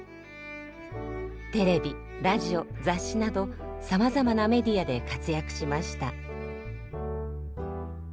テレビラジオ雑誌などさまざまなメディアで活躍しました。